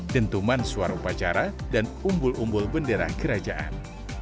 dentuman suara upacara dan umbul umbul bendera kerajaan